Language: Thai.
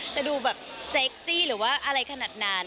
จะดูแบบเซ็กซี่หรือว่าอะไรขนาดนั้น